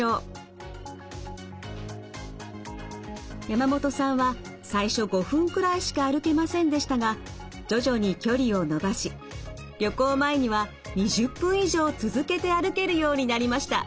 山本さんは最初５分くらいしか歩けませんでしたが徐々に距離を伸ばし旅行前には２０分以上続けて歩けるようになりました。